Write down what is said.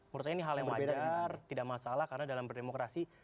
menurut saya ini hal yang wajar tidak masalah karena dalam berdemokrasi